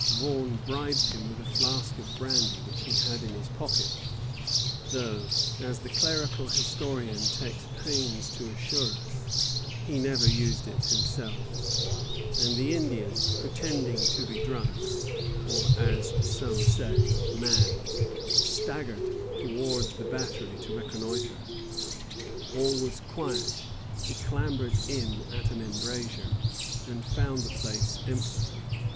Vaughan bribed him with a flask of brandy which he had in his pocket, though, as the clerical historian takes pains to assure us, he never used it himself, and the Indian, pretending to be drunk, or, as some say, mad, staggered towards the battery to reconnoitre. [Footnote: Belknap, II.] All was quiet. He clambered in at an embrasure, and found the place empty.